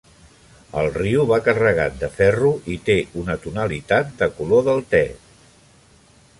El riu va carregat de ferro i té una tonalitat de color del té.